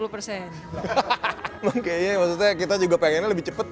memang kayaknya kita juga pengennya lebih cepat